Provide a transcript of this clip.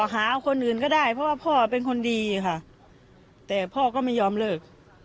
หาคนอื่นก็ได้เพราะว่าพ่อเป็นคนดีค่ะแต่พ่อก็ไม่ยอมเลิก